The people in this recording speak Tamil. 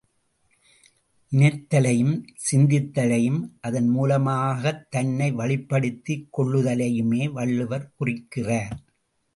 நினைத்தலையும், சிந்தித்தலையும் அதன் மூலமாகத் தன்னை வழிப்படுத்திக் கொள்ளுதலையுமே வள்ளுவர் குறிக்கிறார்.